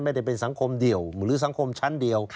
ไม่ได้เป็นสังคมเดี่ยวหรือสังคมชั้นเดียว